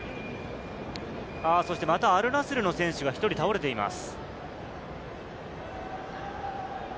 またアルナスルの選手が１人倒れています。